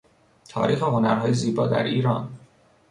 تاریخ هنرهای زیبا در ایران